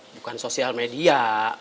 bukan sosial media